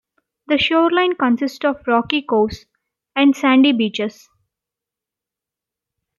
The shoreline consists of rocky coves and sandy beaches.